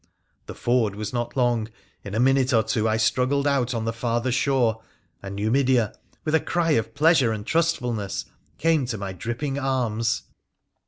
The ford was not long : in a minute or two I struggled out on the farther shore, and Numidea, with a cry of pleasure and trustfulness, came to my dripping arms.